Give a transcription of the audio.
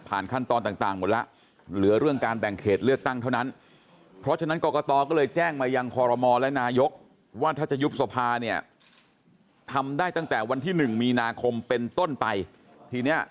ผ่านขั้นตอนต่างหมดแล้วเหลือเรื่องการแบ่งเขตเลือกตั้งเท่านั้น